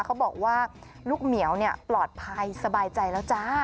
เขาบอกว่าลูกเหมียวปลอดภัยสบายใจแล้วจ้า